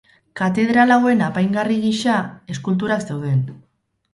Katedral hauen apaingarri giza, eskulturak zeuden.